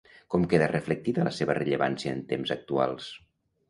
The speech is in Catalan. Com queda reflectida la seva rellevància en temps actuals?